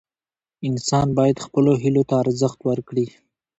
انسان باید خپلو هیلو ته ارزښت ورکړي.